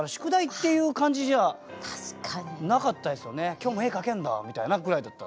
「今日も絵描けんだ」みたいなぐらいだったんです。